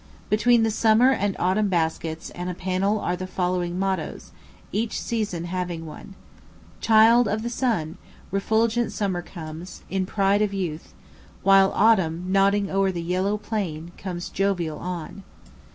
Between the Summer and Autumn baskets and a panel are the following mottoes, each season having one: "Child of the sun! refulgent Summer comes, In pride of youth; While Autumn, nodding o'or the yellow plain, Comes jovial on."